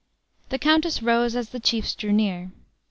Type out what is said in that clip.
The countess rose as the chiefs drew near.